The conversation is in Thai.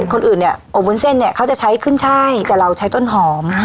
คนอื่นเนี่ยอบวุ้นเส้นเนี่ยเขาจะใช้ขึ้นช่ายแต่เราใช้ต้นหอม